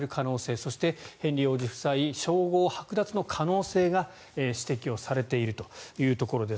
そしてヘンリー王子夫妻称号はく奪の可能性が指摘をされているというところです。